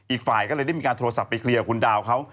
อีกฝ่ายก็เลยได้มีการโทรศัพท์ไปเคลียร์คุณดาวเขา